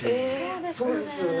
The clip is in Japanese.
そうですよね。